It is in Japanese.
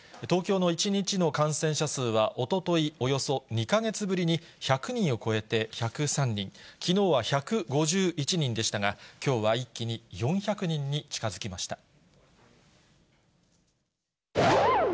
東京の１日の感染者数は、おととい、およそ２か月ぶりに１００人を超えて１０３人、きのうは１５１人でしたが、きょうは一気に４００人に近づきました。